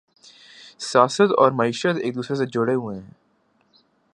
سیاست اور معیشت ایک دوسرے سے جڑے ہوئے ہیں